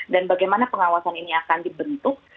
dan bagaimana pengawasan ini akan dibentuk